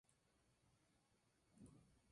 Navegable por todo tipo de buque.